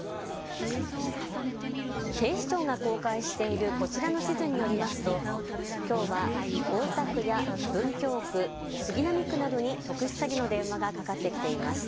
警視庁が公開しているこちらの地図によりますときょうは大田区や文京区、杉並区などに特殊詐欺の電話がかかってきています。